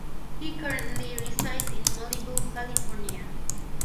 He currently resides in Malibu, California.